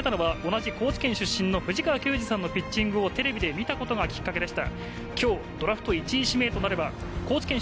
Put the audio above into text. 野球を始めたのは同じ高知県出身の藤川球児さんのピッチングをテレビで見たことがきっかけでした。